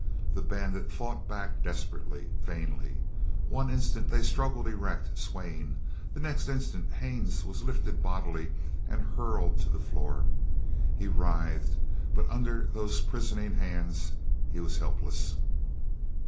The bandit fought back desperately, vainly. One instant they struggled erect, swaying, the next Haines was lifted bodily, and hurled to the floor. He writhed, but under those prisoning hands he was helpless.